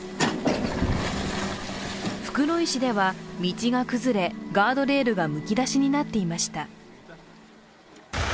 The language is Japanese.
袋井市では道が崩れ、ガードレールがむき出しになっていました。